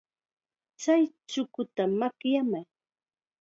Chay chukuta makyamay.